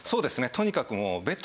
とにかくもう。